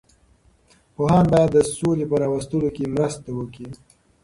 پوهان باید د سولې په راوستلو کې مرسته وکړي.